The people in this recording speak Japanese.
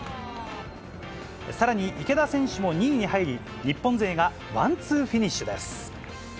さらに池田選手も２位に入り、日本勢がワンツーフィニッシュです。